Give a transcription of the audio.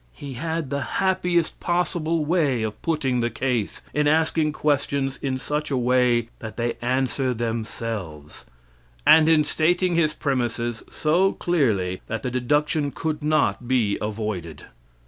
He had the happiest possible way of putting the case, in asking questions in such a way that they answer themselves, and in stating his premises so clearly that the deduction could not be avoided.